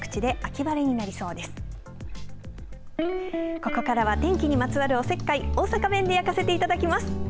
ここからは天気にまつわるおせっかい大阪弁で焼かせていただきます。